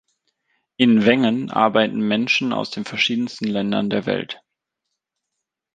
In Wengen arbeiten Menschen aus den verschiedensten Ländern der Welt.